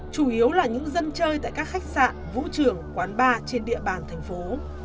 chủ yếu là những dân chơi tại các khách sạn vũ trường quán bar trên địa bàn thành phố